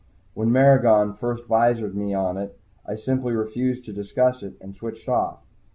When Maragon first visored me on it, I simply refused to discuss it and switched off.